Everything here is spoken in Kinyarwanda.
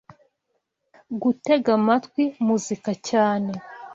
Gutega amatwi muzika cyane